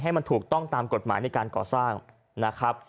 ให้มันถูกต้องตามกฎหมายในการก่อสร้างนะครับ